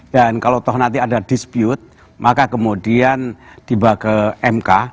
dan kalau nanti ada dispute maka kemudian ke mk